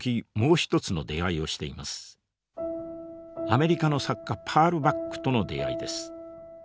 アメリカの作家パール・バックとの出会いです。